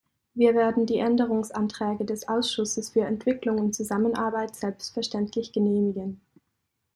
Wir werden die Änderungsanträge des Ausschusses für Entwicklung und Zusammenarbeit selbstverständlich genehmigen.